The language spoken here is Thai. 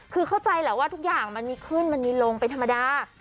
คือเข้าใจแหละว่าทุกอย่างมันมีขึ้นมันมีลงเป็นธรรมดา